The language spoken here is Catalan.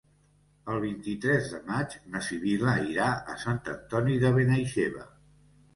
El vint-i-tres de maig na Sibil·la irà a Sant Antoni de Benaixeve.